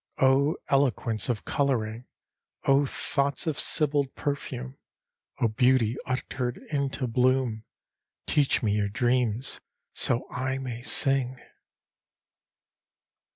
O eloquence of coloring! O thoughts of syllabled perfume! O beauty uttered into bloom! Teach me your dreams so I may sing!